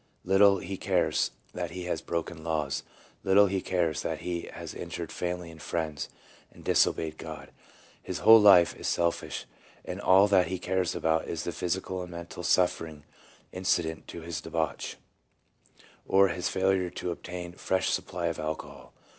Little he cares that he has broken laws, little he cares that he has injured family and friends, and disobeyed God ; his whole life is selfish, and all that he cares about is the physical and mental suffering incident to his debauch, or his failure to obtain a fresh supply of alcohol.